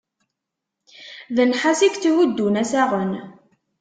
D nnḥas i yetthuddun assaɣen.